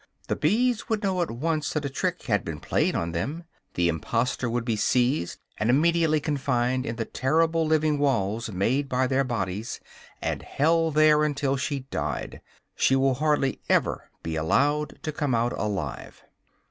The bees would know at once that a trick had been played on them; the impostor would be seized, and immediately confined in the terrible living walls made by their bodies, and held there until she died. She will hardly ever be allowed to come out alive.